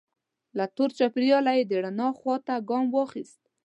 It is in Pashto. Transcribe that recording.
له تور چاپیریاله یې د رڼا خوا ته ګام واخیست.